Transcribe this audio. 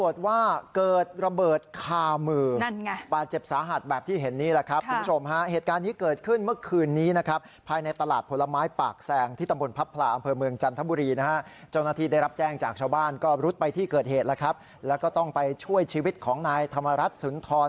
ที่เกิดเหตุแล้วครับแล้วก็ต้องไปช่วยชีวิตของนายธรรมรัฐสุนทร